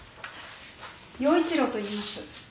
耀一郎といいます。